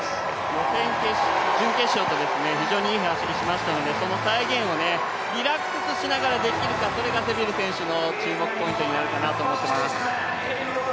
予選、準決勝と非常にいい走りをしましたのでその再現をリラックスしながらできるか、それがセビル選手の注目ポイントになるかと思っています。